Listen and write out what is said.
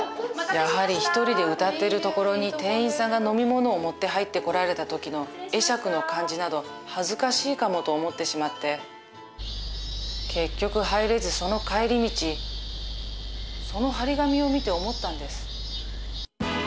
やはり１人で歌っているところに店員さんが飲み物を持って入ってこられた時の会釈の感じなど恥ずかしいかもと思ってしまって結局入れずその帰り道その貼り紙を見て思ったんです。